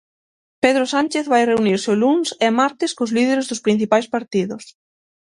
Pedro Sánchez vai reunirse o luns e martes cos líderes dos principais partidos.